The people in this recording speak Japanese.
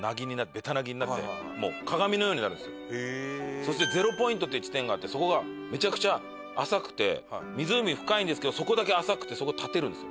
「そしてゼロポイントっていう地点があってそこがめちゃくちゃ浅くて湖深いんですけどそこだけ浅くてそこ立てるんですよ」